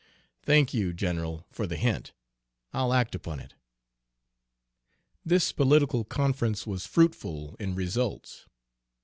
"Thank you, general, for the hint. I'll act upon it." This political conference was fruitful in results.